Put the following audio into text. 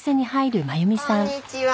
こんにちは。